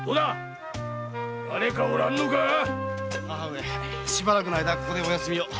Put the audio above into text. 母上しばらくの間ここでお休み下さい。